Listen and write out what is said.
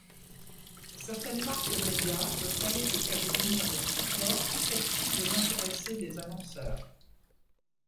Certaines marques média peuvent aller jusqu'à devenir des supports susceptibles d'intéresser des annonceurs.